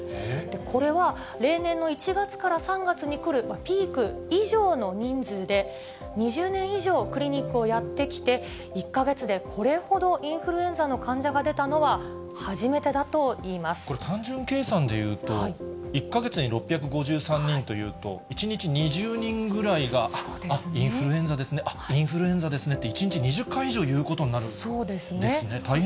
これは例年の１月から３月に来るピーク以上の人数で、２０年以上、クリニックをやってきて、１か月でこれほどインフルエンザの患者が出たのは初めてだといいこれ、単純計算でいうと、１か月に６５３人というと、１日２０人ぐらいがあっ、インフルエンザですね、あっ、インフルエンザですねって、１日２０回以上言うことになるんですね。